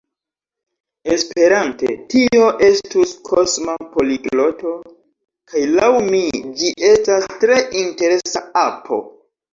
Esperante tio estus Kosma Poligloto kaj laŭ mi ĝi estas tre interesa apo